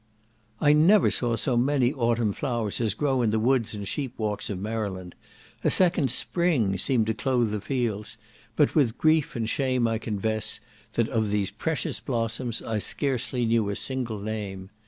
I never saw so many autumn flowers as grow in the woods and sheep walks of Maryland; a second spring seemed to clothe the fields, but with grief and shame I confess, that of these precious blossoms I scarcely knew a single name.